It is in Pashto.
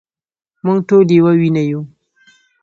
مونږ ټول يوه وينه يو